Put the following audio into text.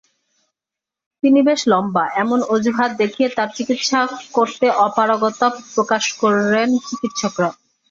তিনি বেশি লম্বা—এমন অজুহাত দেখিয়ে তাঁর চিকিৎসা করতে অপারগতা প্রকাশ করেন চিকিৎসকেরা।